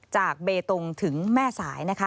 จากเบตงค์ถึงแม่สาย